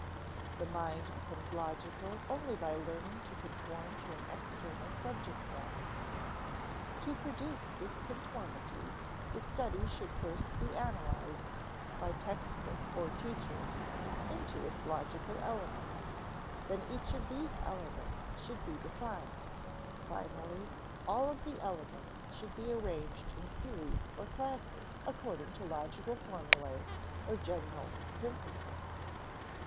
The mind becomes logical only by learning to conform to an external subject matter. To produce this conformity, the study should first be analyzed (by text book or teacher) into its logical elements; then each of these elements should be defined; finally, all of the elements should be arranged in series or classes according to logical formulæ or general principles.